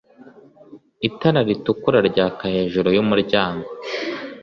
Itara ritukura ryaka hejuru yumuryango.